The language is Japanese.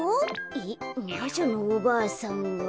えっまじょのおばあさんは。